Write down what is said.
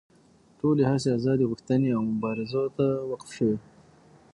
ټولې هڅې ازادي غوښتنې او مبارزو ته وقف شوې.